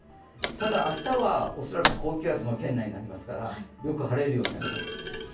ただ、明日は恐らく高気圧の圏内になりますからよく晴れるようになります。